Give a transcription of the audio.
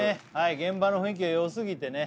現場の雰囲気が良すぎてね